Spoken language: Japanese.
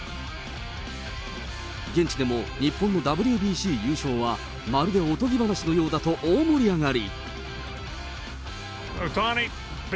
現地でも日本のＷＢＣ優勝はまるでおとぎ話のようだと大盛り上がり。